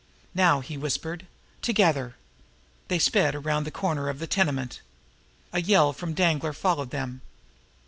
"Now!" he whispered. "Together!" They sped around the corner of the tenement. A yell from Danglar followed them.